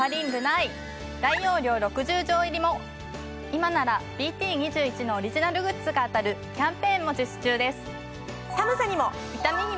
今ならＢＴ２１のオリジナルグッズが当たるキャンペーンも実施中です。